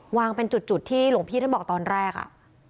หวังเป็นจุดหลวงพี่เมื่อเจ้าบอกตอนแรกอ่ะ